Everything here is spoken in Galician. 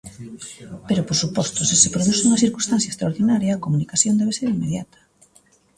Pero, por suposto, se se produce unha circunstancia extraordinaria, a comunicación debe ser inmediata.